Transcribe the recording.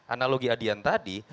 analogi adian tadi